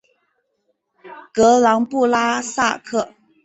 格朗布拉萨克。